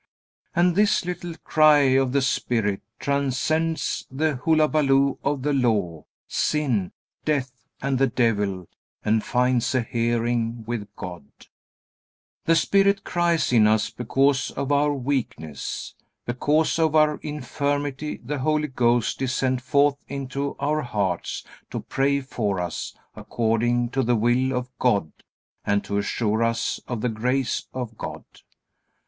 And this little cry of the Spirit transcends the hullabaloo of the Law, sin, death, and the devil, and finds a hearing with God. The Spirit cries in us because of our weakness. Because of our infirmity the Holy Ghost is sent forth into our hearts to pray for us according to the will of God and to assure us of the grace of God.